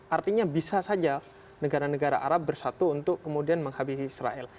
artinya bisa saja negara negara arab bersatu untuk kemudian menghabisi israel